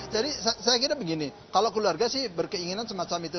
jadi saya kira begini kalau keluarga sih berkeinginan semacam itu